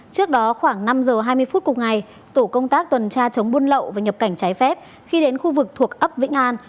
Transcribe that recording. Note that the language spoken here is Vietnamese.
trước đó khoảng năm giờ hai mươi phút cùng ngày tổ công tác tuần tra chống buôn lậu và nhập cảnh trái phép khi đến khu vực thuộc ấp vĩnh an